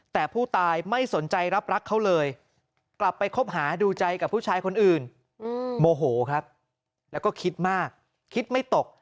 แต่ผู้ตายไม่สนใจรับรักเขาเลยกลับไปคบหาดูใจกับผู้ชายคนอื่นโมโหครับแล้วก็คิดมากคิดไม่ตก